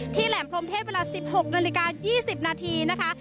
ที่แหลมพรมเทพเวลา๑๖น๒๐นนะคะ